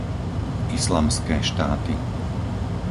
islamské štáty